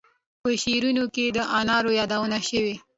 په شعرونو کې د انارو یادونه شوې.